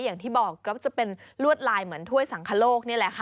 อย่างที่บอกก็จะเป็นลวดลายเหมือนถ้วยสังคโลกนี่แหละค่ะ